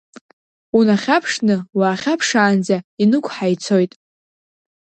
Унахьаԥшны уаахьаԥшаанӡа инықәҳа ицоит.